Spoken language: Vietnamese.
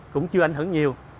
cũng chưa ảnh hưởng nhiều